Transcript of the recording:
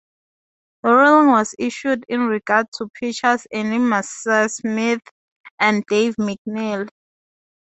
The ruling was issued in regard to pitchers Andy Messersmith and Dave McNally.